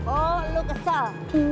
oh lu kesal